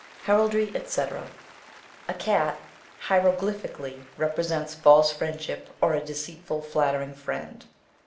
HERALDRY, ETC. A cat (hieroglyphically) represents false friendship, or a deceitful, flattering friend.